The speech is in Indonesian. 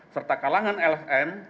serta kalangan lhm